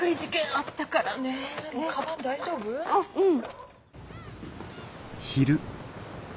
あっうん。